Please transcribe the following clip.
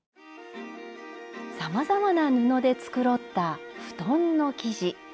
さまざまな布で繕った布団の生地。